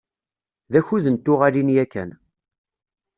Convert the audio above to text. D akud n tuɣalin yakan.